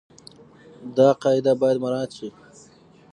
دا قاعده بايد مراعت شي.